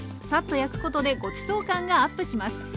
サッと焼くことでごちそう感がアップします。